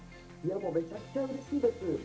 もう、めちゃくちゃ嬉しいです。